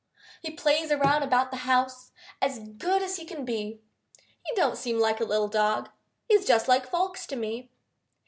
He plays around about the house, As good as he can be, He don't seem like a little dog, He's just like folks to me.